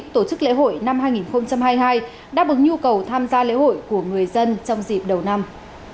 tổ chức lễ hội năm hai nghìn hai mươi hai đáp ứng nhu cầu tham gia lễ hội của người dân trong dịp đầu năm